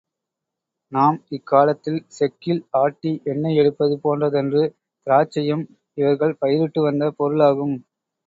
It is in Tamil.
நாம் இக்காலத்தில் செக்கில் ஆட்டி எண்ணெய் எடுப்பது போன்றதன்று திராட்சையும் இவர்கள் பயிரிட்டு வந்த பொருளாகும்.